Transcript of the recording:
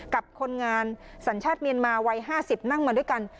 กับคนงานสัญชาติเมียนมาวัย๕๐นั่งมาด้วยกัน